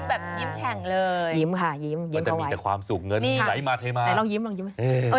บางองค์เนี่ยอาจจะแบบไม่ค่อยยิ้มเราต้องเลือกที่แบบยิ้มเยอะ